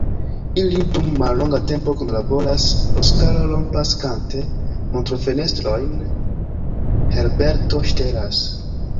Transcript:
Ili dum mallonga tempo kunlaboras: Oskaro rompas kante montrofenestrojn, Herberto ŝtelas.